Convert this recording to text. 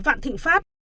vạn thịnh pháp